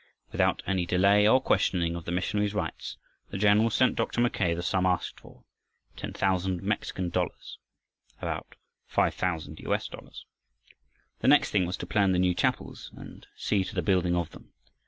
Without any delay or questioning of the missionaries' rights, the general sent Dr. Mackay the sum asked for ten thousand Mexican dollars. (*) *About $5000. The next thing was to plan the new chapels and see to the building of them.